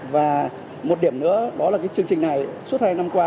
và một điểm nữa đó là cái chương trình này suốt hai năm qua